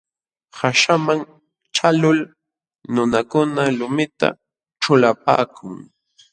Qaśhaman ćhaqlul nunakuna lumita ćhulapaakun.